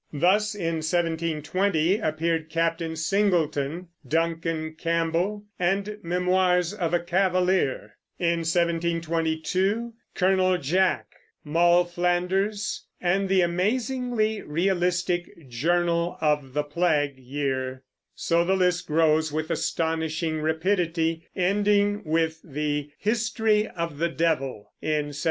Thus, in 1720 appeared Captain Singleton, Duncan Campbell, and Memoirs of a Cavalier; in 1722, Colonel Jack, Moll Flanders, and the amazingly realistic Journal of the Plague Year. So the list grows with astonishing rapidity, ending with the History of the Devil in 1726.